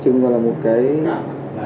thuốc lá điện tử là thuốc lá điện tử